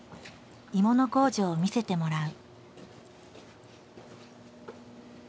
鋳物工場を見せてもらう。